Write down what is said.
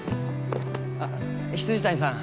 あっ未谷さん